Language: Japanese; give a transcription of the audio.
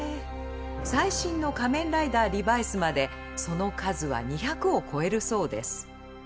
最新の「仮面ライダーリバイス」までその数は２００を超えるそうです。